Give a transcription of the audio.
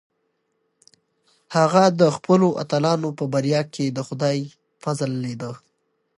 هغه د خپلو اتلانو په بریا کې د خدای فضل لیده.